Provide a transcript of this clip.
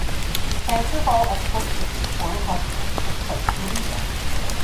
The transfer of all export ships to foreign customers took place in Riga.